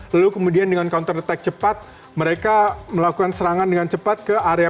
lalu kemudian dengan counter attack cepat mereka melakukan serangan dengan cepat ke area